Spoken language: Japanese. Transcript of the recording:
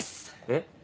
えっ？